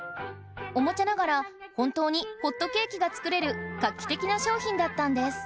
おもちゃながら本当にホットケーキが作れる画期的な商品だったんです